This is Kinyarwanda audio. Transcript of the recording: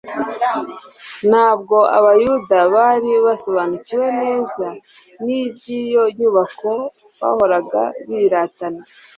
Ntabwo Abayuda bari basobanukiwe neza n'iby'iyo nyubako bahoraga biratana.